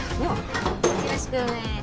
よろしくね。